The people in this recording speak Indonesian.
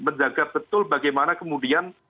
menjaga betul bagaimana kemudian